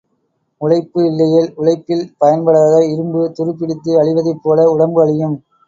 உழைப்பு இல்லையேல், உழைப்பில் பயன்படுத்தாத இரும்பு துருப்பிடித்து அழிவதைப்போல உடம்பு அழியும்.